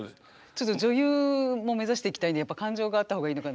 ちょっと女優も目指していきたいんでやっぱり感情があった方がいいのかな。